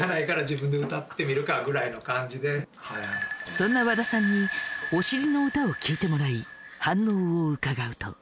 そんな和田さんにお尻の歌を聴いてもらい反応を伺うと。